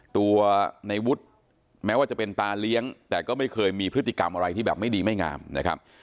ตัวในวุฒิแม้ว่าจะเป็นตาเลี้ยงแต่ก็ไม่เคยมีพฤติกรรมอะไรที่แบบไม่ดีไม่งามนะครับ